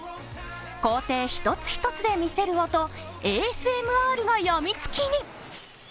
工程一つ一つで見せる音ＡＳＭＲがやみつきに。